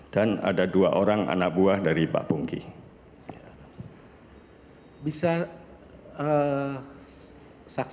dan kedua anak buahnya